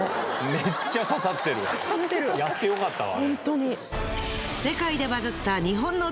めっちゃ刺さってるやってよかったわ。